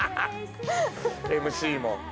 ＭＣも。